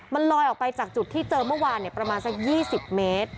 มันลอยออกไปจากจุดที่เจอเมื่อวานประมาณสัก๒๐เมตร